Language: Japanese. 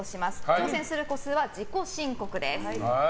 挑戦する個数は自己申告です。